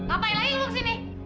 apa yang lagi lu kesini